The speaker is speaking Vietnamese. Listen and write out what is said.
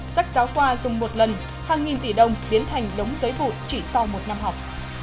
sách giáo khoa dùng một lần hàng nghìn tỷ đồng biến thành đống giấy vụt chỉ sau một năm học